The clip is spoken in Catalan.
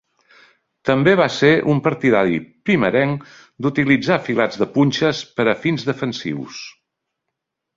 També va ser un partidari primerenc d'utilitzar filats de punxes per a fins defensius.